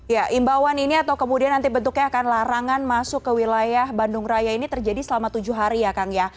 ya imbauan ini atau kemudian nanti bentuknya akan larangan masuk ke wilayah bandung raya ini terjadi selama tujuh hari ya kang ya